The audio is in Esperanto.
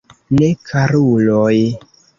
Ne, karuloj.